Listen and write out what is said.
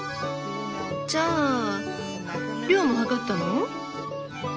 じゃあ量も量ったの？